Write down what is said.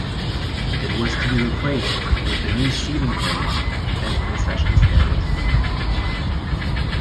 It was to be replaced with a new seating area and concession stands.